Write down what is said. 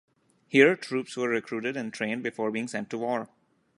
Here, troops were recruited and trained before being sent to war.